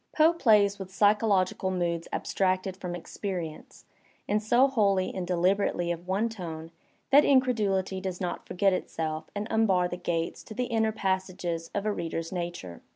Poe plays with psychological moods abstracted from experience and so wholly and deliberately of one tone that incredulity does not forget itself and unbar the gates to the inner passages of a reader's nature.